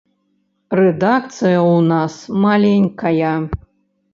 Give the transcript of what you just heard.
Рэдакцыя ў нас маленькая.